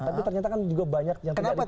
tapi ternyata kan juga banyak yang tidak diproses